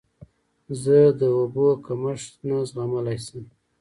زه د اوبو کمښت نه زغملی شم.